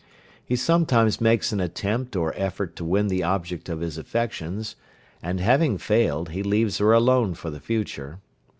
He sometimes makes an attempt or effort to win the object of his affections, and having failed, he leaves her alone for the future.